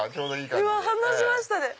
反応しましたね。